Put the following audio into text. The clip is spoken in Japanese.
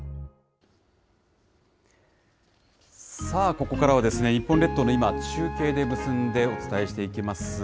さあ、ここからは日本列島の今を中継でお伝えしていきます。